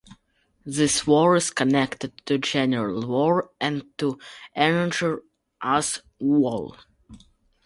This war is connected to general war and to energy as a whole.